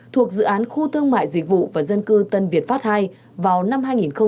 thuộc dự án khu thương mại dịch vụ và dân cư tân việt pháp ii vào năm hai nghìn hai mươi